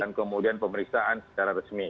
dan kemudian pemeriksaan secara resmi